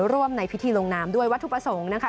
ร่วมในพิธีลงนามด้วยวัตถุประสงค์นะคะ